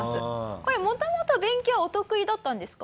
これ元々勉強はお得意だったんですか？